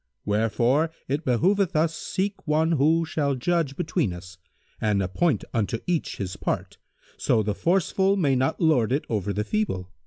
Wherefore it behoveth us seek one who shall judge between us and appoint unto each his part, so the force full may not lord it over the feeble."